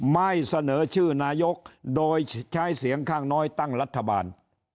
ไม่เสนอชื่อนายกโดยใช้เสียงข้างน้อยตั้งรัฐบาล